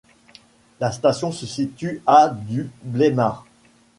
La station se situe à du Bleymard.